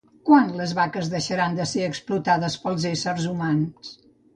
Quan les vaques deixaran de ser explotades pels éssers humans?